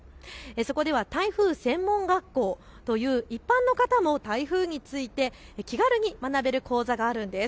そこでは台風専門学校という一般の方も台風について気軽に学べる講座があるんです。